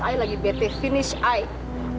ayah lagi bete finish ayah